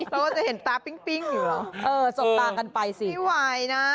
ก็จะเห็นตาปิ้งอยู่เหรอเออสบตากันไปสิไม่ไหวนะ